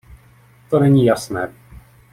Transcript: To není jasné.